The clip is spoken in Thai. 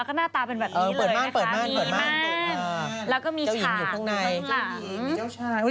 แล้วก็หน้าตาเป็นแบบนี้เลยนะคะมีมั่นแล้วก็มีฉากข้างหลังเจ้าหญิงอยู่ข้างใน